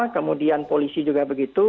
kemudian polisi juga begitu